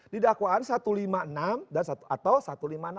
di dakwaan satu ratus lima puluh enam atau satu ratus lima puluh enam